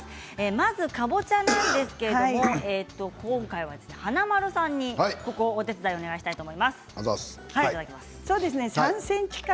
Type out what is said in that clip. まず、かぼちゃなんですけれども今回は華丸さんにお手伝いお願いしたいと思います。